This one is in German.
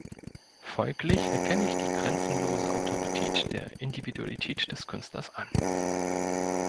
Folglich erkenne ich die grenzenlose Autorität der Individualität des Künstlers an ...